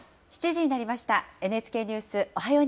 ７時になりました。